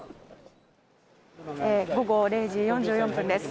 午後０時４４分です。